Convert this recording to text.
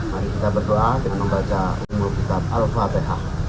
mari kita berdoa dengan membaca umur kitab al fatihah